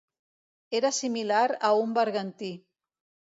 Era similar a un bergantí.